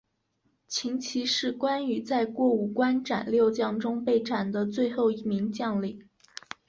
秦琪是关羽在过五关斩六将中被斩的最后一名将领。